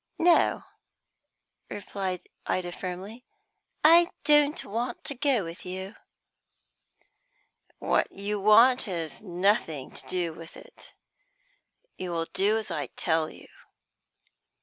"No," replied Ida firmly. "I don't want to go with you." "What you want has nothing to do with it. You will do as I tell you."